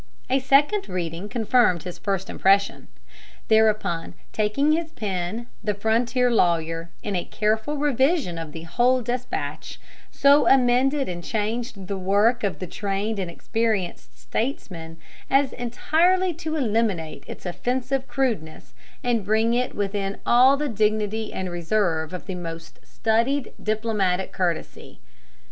A second reading confirmed his first impression. Thereupon, taking his pen, the frontier lawyer, in a careful revision of the whole despatch, so amended and changed the work of the trained and experienced statesman, as entirely to eliminate its offensive crudeness, and bring it within all the dignity and reserve of the most studied diplomatic courtesy.